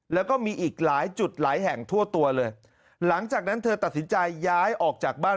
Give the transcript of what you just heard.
แล้วก็มีอีกหลายจุดหลายแห่งทั่วตัวเลยหลังจากนั้นเธอตัดสินใจย้ายออกจากบ้าน